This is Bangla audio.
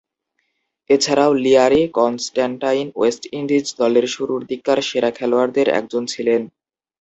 এছাড়াও, লিয়ারি কনস্ট্যান্টাইন ওয়েস্ট ইন্ডিজ দলের শুরুর দিককার সেরা খেলোয়াড়দের একজন ছিলেন।